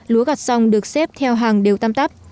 lúa gặt xong được xếp theo hàng đều tam tắp